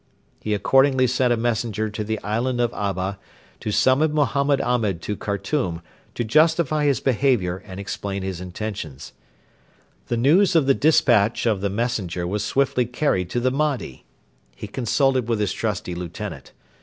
He accordingly sent a messenger to the island of Abba, to summon Mohammed Ahmed to Khartoum to justify his behaviour and explain his intentions. The news of the despatch of the messenger was swiftly carried to the Mahdi! He consulted with his trusty lieutenant.